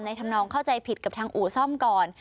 ทำนองเข้าใจผิดกับทางอู่ซ่อมก่อน